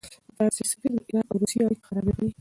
د فرانسې سفیر د ایران او روسیې اړیکې خرابې کړې.